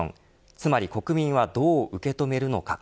つまり国民はどう受け止めるのか。